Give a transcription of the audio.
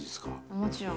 もちろん。